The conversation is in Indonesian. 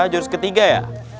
jurus ketiga ya